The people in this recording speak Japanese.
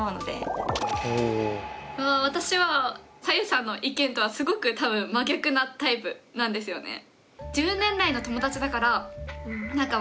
あ私はさゆさんの意見とはすごく多分真逆なタイプなんですよね。